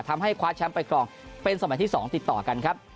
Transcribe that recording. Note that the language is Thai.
ทำให้คว้าแชมป์ไปครองเป็นสมัยที่๒ติดต่อกันครับ